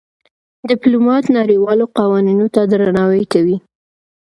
ډيپلومات نړېوالو قوانينو ته درناوی کوي.